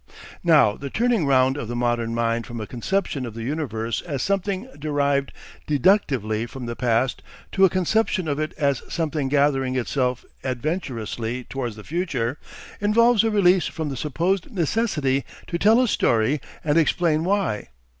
Now the turning round of the modern mind from a conception of the universe as something derived deductively from the past to a conception of it as something gathering itself adventurously towards the future, involves a release from the supposed necessity to tell a story and explain why.